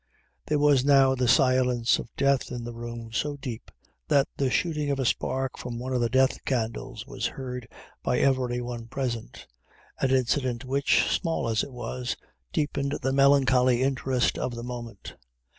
There was now the silence of death in the room so deep, that the shooting of a spark from one of the death candles was heard by every one present, an incident which, small as it was, deepened the melancholy interest of the moment.